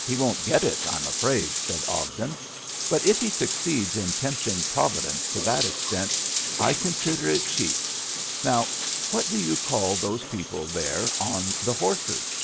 "He won't get it, I'm afraid," said Ogden. "But if he succeeds in tempting Providence to that extent, I consider it cheap. Now what do you call those people there on the horses?"